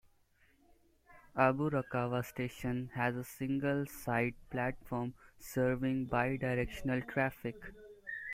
Aburakawa Station has a single side platform serving bidirectional traffic.